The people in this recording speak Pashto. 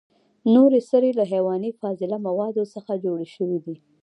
نورې سرې له حیواني فاضله موادو څخه جوړ شوي دي.